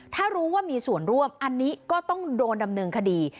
ถ้ารู้ว่ามีส่วนร่วมอันนี้ก็ต้องโดนดำเนินคดี